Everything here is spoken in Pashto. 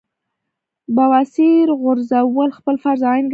بواسير غورزول خپل فرض عېن ګڼي -